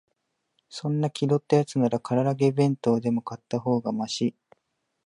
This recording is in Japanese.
そんな気取ったやつなら、から揚げ弁当でも買ったほうがマシ